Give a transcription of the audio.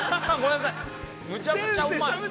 ◆めちゃくちゃうまい。